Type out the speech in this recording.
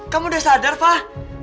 kamu udah sadar fah